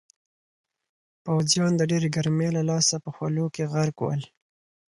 پوځیان د ډېرې ګرمۍ له لاسه په خولو کې غرق ول.